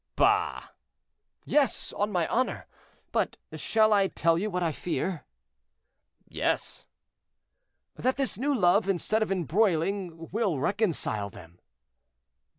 "Bah!" "Yes, on my honor; but shall I tell you what I fear?" "Yes." "That this new love, instead of embroiling, will reconcile them."